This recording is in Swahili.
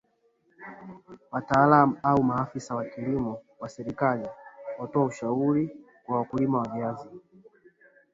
wataalam au maafisa wa kilimo wa serikali watoe ushauri kwa wakulima wa viazi